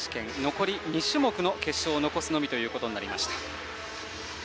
残り２種目の決勝を残すのみとなりました。